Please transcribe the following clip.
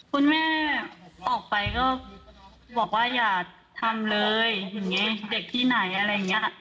คุณแม่ออกไปก็บอกว่าอย่าทำเลยอย่างนี้เด็กที่ไหนอะไรอย่างนี้